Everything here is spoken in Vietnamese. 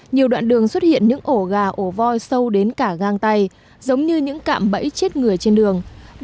nhiều đoạn đường xuất hiện những ổ gà ổ voi sâu đến cả gang tay giống như những cạm bẫy chết người trên đường